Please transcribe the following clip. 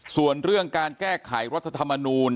ส่วนเรื่องการแก้ไขรัฐธรรมนูล